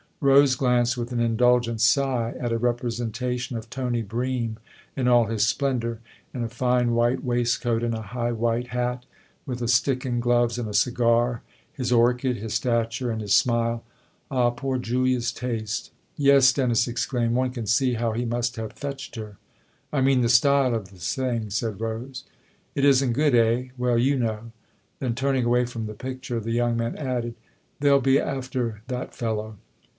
Rose glanced with an indulgent sigh at a representation of Tony Bream in all his splen dour, in a fine white waistcoat and a high white hat, with a stick and gloves and a cigar, his orchid, his stature and his smile. " Ah, poor Julia's taste !"" Yes," Dennis exclaimed, " one can see how he must have fetched her !"" I mean the style of the thing," said Rose. " It isn't good, eh ? Well, you know." Then turning away from the picture, the young man added :" They'll be after that fellow